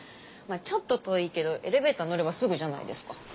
まぁちょっと遠いけどエレベーター乗ればすぐじゃないですか。